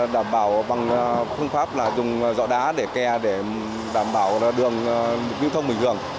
đảm bảo bằng phương pháp là dùng dọ đá để kè để đảm bảo đường lưu thông bình thường